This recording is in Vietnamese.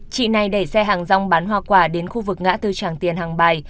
chị này đẩy xe hàng rong bán hoa quả đến khu vực ngã tư tràng tiền hàng bài